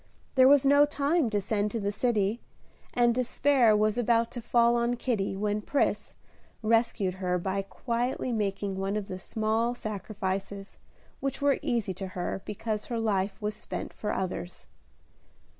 There was no time to send to the city, and despair was about to fall on Kitty, when Pris rescued her by quietly making one of the small sacrifices which were easy to her because her life was spent for others.